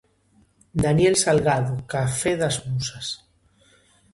Daniel Salgado,"Café das musas".